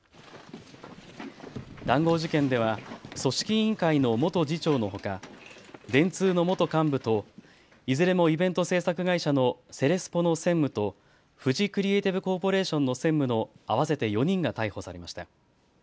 談合事件では組織委員会の元次長のほか、電通の元幹部といずれもイベント制作会社のセレスポの専務とフジクリエイティブコーポレーションの専務の合わせて４人が逮捕されました。